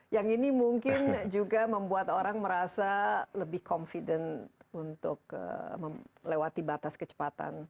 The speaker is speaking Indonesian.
yang ini mungkin juga membuat orang merasa lebih confident untuk melewati batas kecepatan